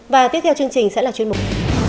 và tiếp theo chương trình sẽ là chuyên mục